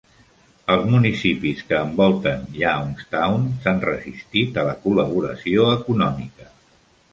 Els municipis que envolten Youngstown s'han resistit a la col·laboració econòmica.